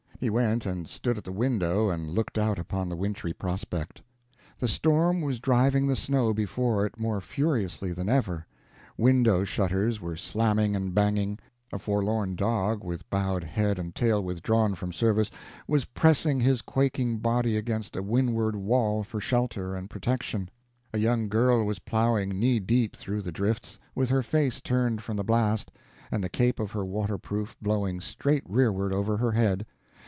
He went and stood at the window and looked out upon the wintry prospect. The storm was driving the snow before it more furiously than ever; window shutters were slamming and banging; a forlorn dog, with bowed head and tail withdrawn from service, was pressing his quaking body against a windward wall for shelter and protection; a young girl was plowing knee deep through the drifts, with her face turned from the blast, and the cape of her waterproof blowing straight rearward over her head.